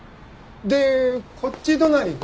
でこっち隣が。